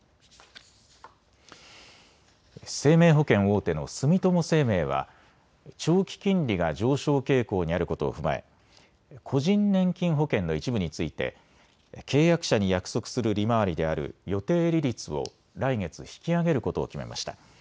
生命保険大手の住友生命は長期金利が上昇傾向にあることを踏まえ個人年金保険の一部について契約者に約束する利回りである予定利率を来月、引き上げることを決めました。